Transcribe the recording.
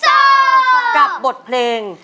เจ้ากับบทเพลง